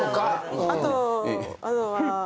あとあとは。